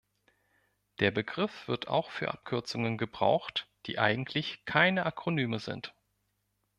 Der Begriff wird auch für Abkürzungen gebraucht, die eigentlich keine Akronyme sind.